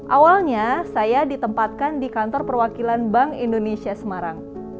awalnya saya ditempatkan di kantor perwakilan bank indonesia semarang